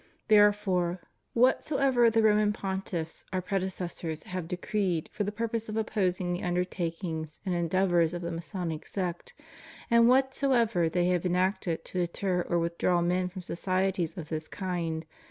Therefore, whatsoever the Roman Pontiffs Our predecessors have decreed for the purpose of opposing the undertakings and endeavors of the Masonic sect, and whatsoever they have enacted to deter or withdraw men from societies of this kind.